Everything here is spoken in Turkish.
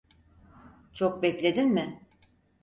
Çok bekledin mi?